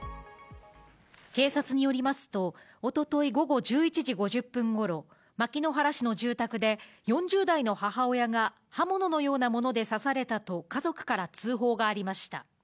警察によりますと一昨日午後１１時５０分頃、牧之原市の住宅で４０代の母親が刃物のようなもので刺されたと家族から通報がありました。